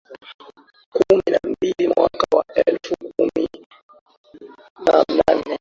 Kumi na mbili mwaka wa elfu mbili kumi na nne